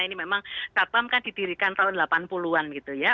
ini memang satpam kan didirikan tahun delapan puluh an gitu ya